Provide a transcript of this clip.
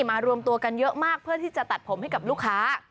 มารวมตัวกันเยอะมากเพื่อที่จะตัดผมให้กับลูกค้า